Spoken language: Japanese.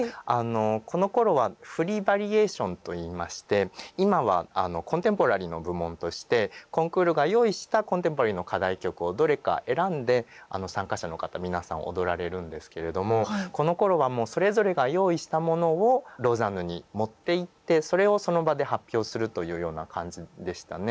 このころは「フリーバリエーション」と言いまして今はコンテンポラリーの部門としてコンクールが用意したコンテンポラリーの課題曲をどれか選んで参加者の方皆さん踊られるんですけれどもこのころはもうそれぞれが用意したものをローザンヌに持っていってそれをその場で発表するというような感じでしたね。